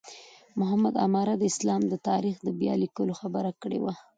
محمد عماره د اسلام د تاریخ د بیا لیکلو خبره کړې وه.